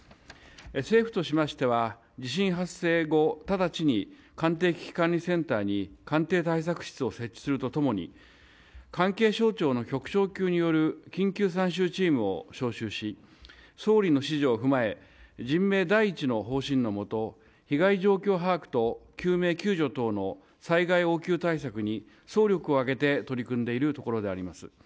政府としましては、地震発生後、直ちに官邸危機管理センターに官邸対策室を設置するとともに、関係省庁の局長級による緊急参集チームを招集し、総理の指示を踏まえ、人命第一の方針のもと、被害状況把握と救命救助等の災害応急対策に総力を挙げて取り組んでいるところであります。